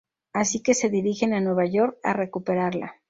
Así que se dirigen a Nueva York a recuperarla.